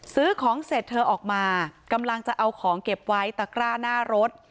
ซื้อของเสร็จเธอออกมากำลังจะเอาของเก็บไว้ตะกร้าหน้ารถ